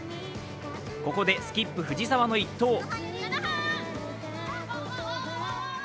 ここでスキップ、藤澤の１投。